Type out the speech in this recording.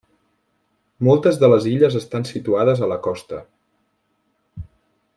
Moltes de les illes estan situades a la costa.